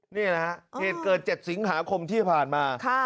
เนี่ยนะครับเกิดเจ็ดสิงหาคมที่ผ่านมา